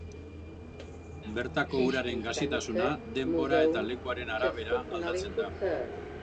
Bertako uraren gazitasuna denbora eta lekuaren arabera aldatzen da.